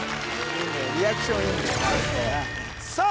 リアクションいいんだよさあ